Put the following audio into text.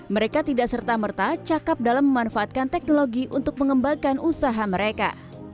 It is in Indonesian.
mereka tidak serta merta cakap dalam memanfaatkan teknologi untuk mengembangkan usaha mereka